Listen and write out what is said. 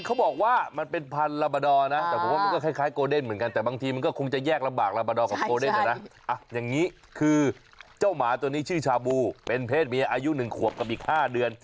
ชาบูคือชาบูคือเจ้าหมาตัวนี้ชื่อชาบูเป็นเพศมีอายุหนึ่งขวบกับอีก๕เดือน